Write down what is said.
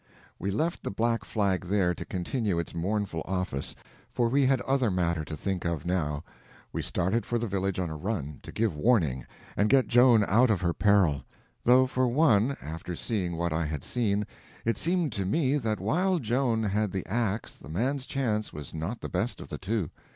We left the black flag there to continue its mournful office, for we had other matter to think of now. We started for the village on a run, to give warning, and get Joan out of her peril; though for one, after seeing what I had seen, it seemed to me that while Joan had the ax the man's chance was not the best of the two.